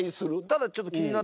ただちょっと。